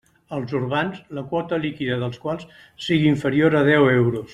Els urbans, la quota líquida dels quals sigui inferior a deu euros.